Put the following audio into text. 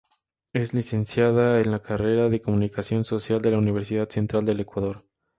Es Licenciada en la carrera de Comunicación Social de la Universidad Central del Ecuador.